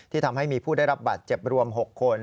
ทำให้มีผู้ได้รับบาดเจ็บรวม๖คน